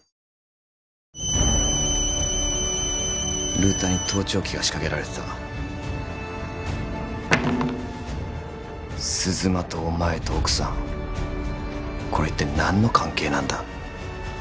ルーターに盗聴器が仕掛けられてた鈴間とお前と奥さんこれ一体何の関係なんだ？